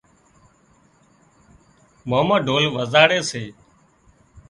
مامو ڍول وزاڙي سي